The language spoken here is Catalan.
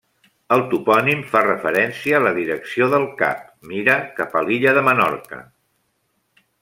El topònim fa referència a la direcció del cap: mira cap a l'illa de Menorca.